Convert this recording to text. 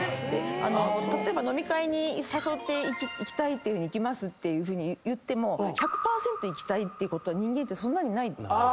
例えば飲み会に誘って「行きたい行きます」って言っても１００％行きたいっていうことは人間ってそんなにない。